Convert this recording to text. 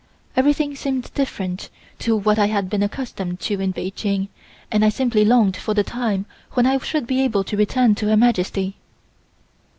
Everything seemed different to what I had been accustomed to in Peking and I simply longed for the time when I should be able to return to Her Majesty.